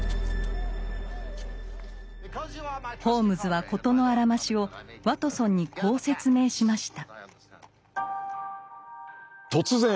ホームズは事のあらましをワトソンにこう説明しました。